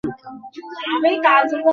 আচ্ছা, ওটা কীভাবে চালু করবো?